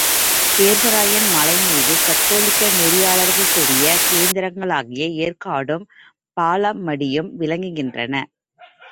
சேர்வராயன் மலைமீது கத்தோலிக்க நெறியாளர்க்குரிய கேந்திரங்களாக ஏர்க்காடும், பாலமடியும் விளங்குகின்றன.